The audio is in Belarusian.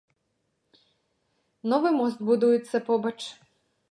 Новы мост будуецца побач.